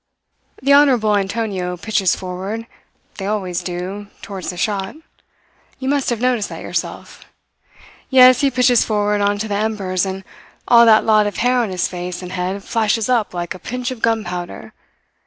The honourable Antonio pitches forward they always do, towards the shot; you must have noticed that yourself yes, he pitches forward on to the embers, and all that lot of hair on his face and head flashes up like a pinch of gunpowder.